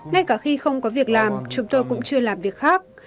ngay cả khi không có việc làm chúng tôi cũng chưa làm việc khác